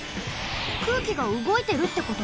空気がうごいてるってこと？